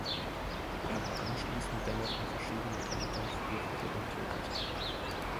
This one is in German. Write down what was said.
Er war anschließend dennoch in verschiedenen Ämtern für die Regierung tätig.